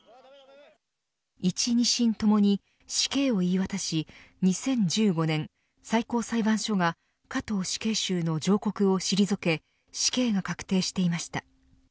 一・二審ともに死刑を言い渡し２０１５年、最高裁判所が加藤死刑囚の上告を退け死刑が確定していました。